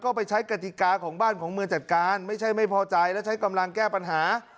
ก็ไปใช้กติกาของบ้านของเมืองจัดการไม่ใช่ไม่พอใจและใช้กำลังแก้ปัญหา